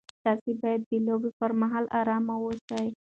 تاسي باید د لوبې پر مهال ارام واوسئ.